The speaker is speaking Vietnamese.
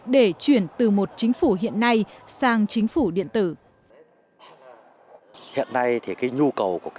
để chuyển từ một chính phủ hiện nay sang chính phủ điện tử